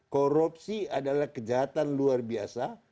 korupsi adalah kejahatan luar biasa